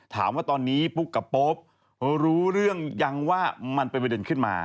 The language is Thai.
ถามว่าตอนนี้ปุ๊กกับโป๊ปรู้เรื่องยังว่ามันเป็นประเด็นขึ้นมา